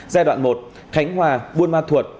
giai đoạn một khánh hòa buôn ma thuột